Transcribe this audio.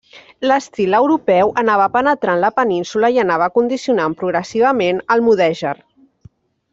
L'estil europeu anava penetrant la península i anava condicionant progressivament el mudèjar.